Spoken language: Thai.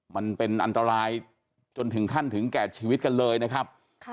มันเป็นอันตรายจนถึงขั้นถึงแก่ชีวิตกันเลยนะครับ